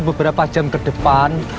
beberapa jam ke depan